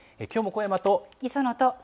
きょうも小山と。